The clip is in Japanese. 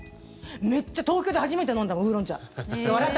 めっちゃ東京で初めて飲んだもん、烏龍茶。